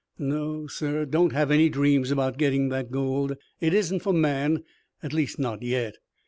No, sir, don't have any dreams about getting that gold. It isn't for man, at least not yet.